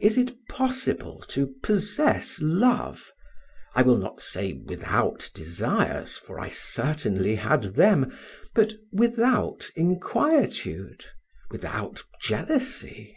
Is it possible to possess love, I will not say without desires, for I certainly had them, but without inquietude, without jealousy?